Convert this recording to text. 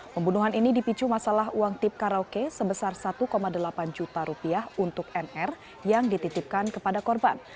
pembunuhan ini dipicu masalah uang tip karaoke sebesar satu delapan juta rupiah untuk mr yang dititipkan kepada korban